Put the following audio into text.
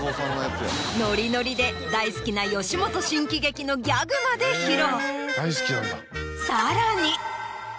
ノリノリで大好きな吉本新喜劇のギャグまで披露。